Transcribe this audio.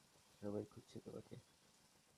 সবাই খুঁজছে তোমাকে।